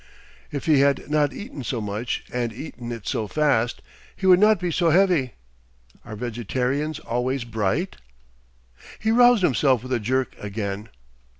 If he had not eaten so much and eaten it so fast, he would not be so heavy. Are vegetarians always bright?... He roused himself with a jerk again.